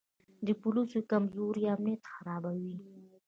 د پولیسو کمزوري امنیت خرابوي.